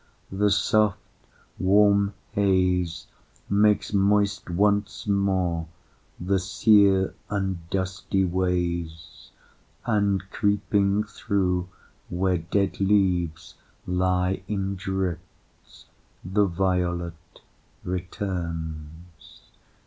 The soft, warm haze Makes moist once more the sere and dusty ways, And, creeping through where dead leaves lie in drifts, The violet returns.